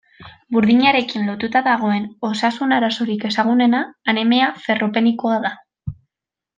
Burdinarekin lotuta dagoen osasun arazorik ezagunena anemia ferropenikoa da.